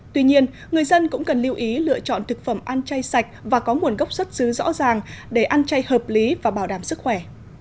tuy nhiên người dân cũng cần lưu ý lựa chọn thực phẩm ăn chay sạch và có nguồn gốc xuất xứ rõ ràng để ăn chay hợp lý và bảo đảm sức khỏe